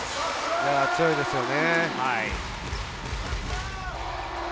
強いですよね。